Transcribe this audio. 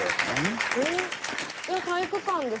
いや体育館です。